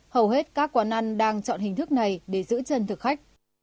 hầu hết các quán ăn đang chọn hình thức này để giữ chân thực khách